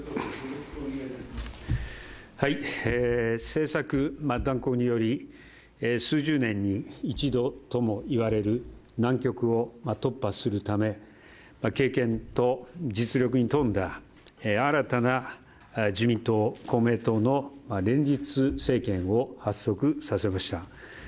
政策断行により数十年に一度ともいえる難局を突破するため、経験と実力に富んだ新たな自民党・公明党の連立政権を発足させました。